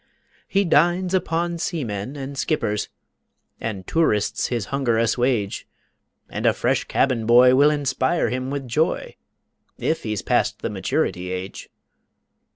He dines upon seamen and skippers, And tourists his hunger assuage, And a fresh cabin boy will inspire him with joy If he's past the maturity age.